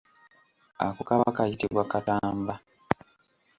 Ako kaba kayitibwa katamba.